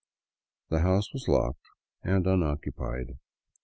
The house was locked and unoccupied.